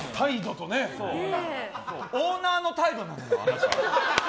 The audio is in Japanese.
オーナーの態度なのよ。